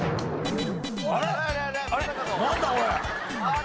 あれ？